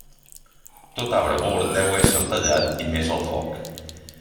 Tot arbre bord deu esser tallat i mes al foc.